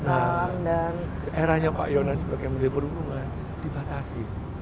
nah dan eranya pak yonan sebagai menteri perhubungan dibatasi